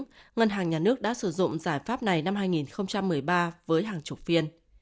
trong năm hai nghìn một mươi ba ngân hàng nhà nước đã sử dụng giải pháp này năm hai nghìn một mươi ba với hàng chục phiên